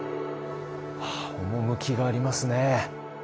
趣がありますね。